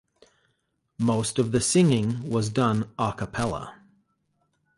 Most of the singing was done a cappella.